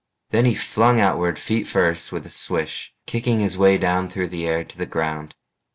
Then he flung outward, feet first, with a swish, Kicking his way down through the air to the ground.